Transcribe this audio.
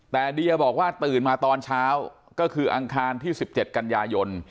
แต่เดียบอกว่าตื่นมาตอนเช้าก็คืออังคารที่๑๗กันยายน